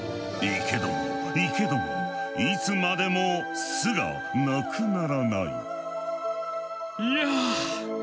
行けども行けどもいつまでも巣がなくならない。